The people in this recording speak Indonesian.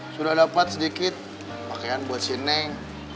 sudah dapat sedikit pakaian buat si neng